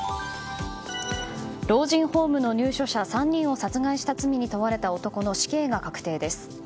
老人ホームの入所者３人を殺害した罪に問われた男の死刑が確定です。